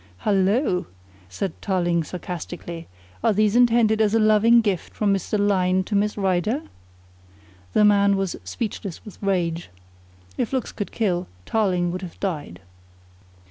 "Hullo!" said Tarling sarcastically, "are these intended as a loving gift from Mr. Lyne to Miss Rider?" The man was speechless with rage. If looks could kill, Tarling would have died.